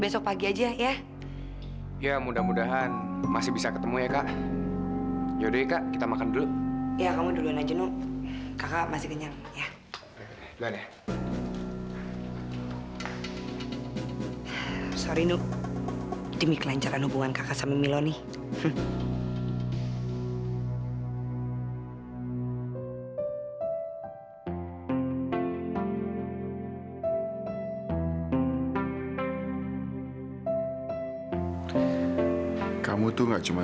sampai jumpa di video selanjutnya